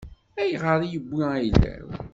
Ayɣer i yewwi ayla-w?